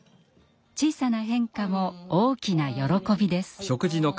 小さな変化も大きな喜びです。